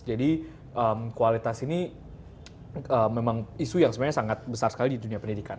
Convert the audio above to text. jadi kualitas ini memang isu yang sebenarnya sangat besar sekali di dunia pendidikan